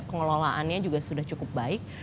pengelolaannya juga sudah cukup baik